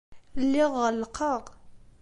Lliɣ ɣellqeɣ.